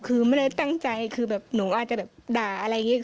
คือไม่ได้ตั้งใจคือแบบหนูอาจจะแบบด่าอะไรอย่างนี้